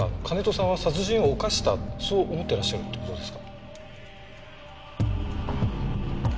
金戸さんは殺人を犯したそう思ってらっしゃるって事ですか？